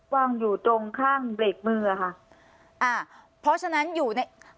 วางอยู่ตรงข้างเบรกมืออ่ะค่ะอ่าเพราะฉะนั้นอยู่ใน